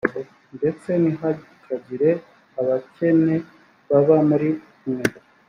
ndetse ntihakagire abakene baba muri mwe,